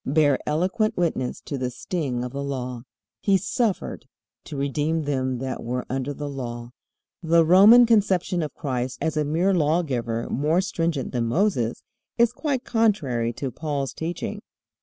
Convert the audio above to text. bear eloquent witness to the sting of the Law. He suffered "to redeem them that were under the law." The Roman conception of Christ as a mere lawgiver more stringent than Moses, is quite contrary to Paul's teaching.